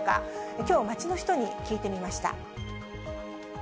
きょう、街の人に聞いてみました。